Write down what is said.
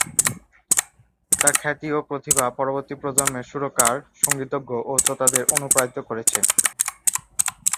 তার খ্যাতি ও প্রতিভা পরবর্তী প্রজন্মের সুরকার, সঙ্গীতজ্ঞ ও শ্রোতাদের অনুপ্রাণিত করেছে।